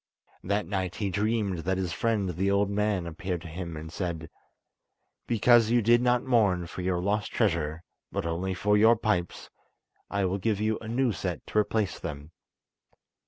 That night he dreamed that his friend the old man appeared to him and said: "Because you did not mourn for your lost treasure, but only for your pipes, I will give you a new set to replace them."